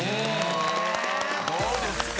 どうですか？